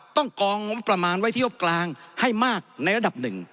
กองงบประมาณไว้ที่งบกลางให้มากในระดับหนึ่ง